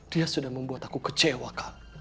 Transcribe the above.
dia sudah membuat aku kecewa